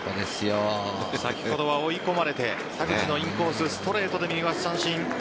先ほどは追い込まれて田口のインコースストレートで見逃し三振。